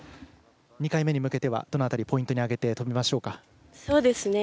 ２回目に向けては、どの辺りポイントに挙げて飛びましょうか。